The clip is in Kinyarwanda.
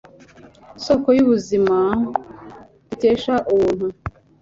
soko y'ubuzima dukesha ubuntu